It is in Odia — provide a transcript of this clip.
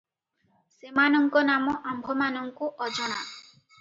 ସେମାନଙ୍କ ନାମ ଆମ୍ଭମାନଙ୍କୁ ଅଜଣା ।